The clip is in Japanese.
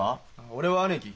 俺は姉貴。